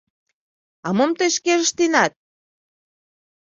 — А мом тый шкеже ыштенат?